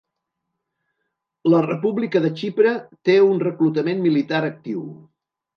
La República de Xipre té un reclutament militar actiu.